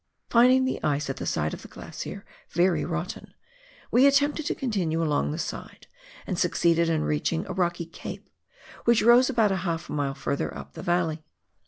Finding the ice at the side of the glacier very rotten, we attempted to continue along the side, and succeeded in reaching a rocky " cape " which rose about half a mile further up the valley.